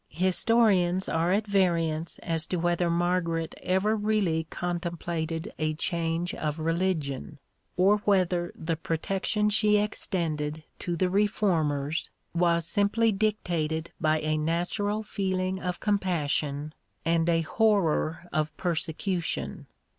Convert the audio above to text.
Historians are at variance as to whether Margaret ever really contemplated a change of religion, or whether the protection she extended to the Reformers was simply dictated by a natural feeling of compassion and a horror of persecution.